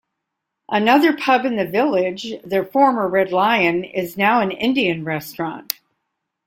Another pub in the village, the former Red Lion, is now an Indian restaurant.